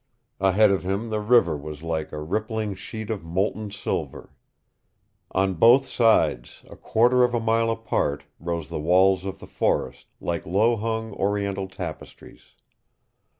Ahead of him the river was like a rippling sheet of molten silver. On both sides, a quarter of a mile apart, rose the walls of the forest, like low hung, oriental tapestries.